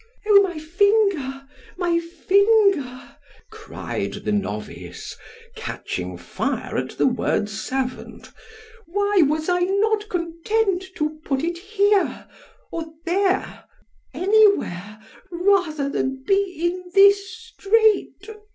O my finger! my finger! cried the novice, catching fire at the word servant—why was I not content to put it here, or there, any where rather than be in this strait?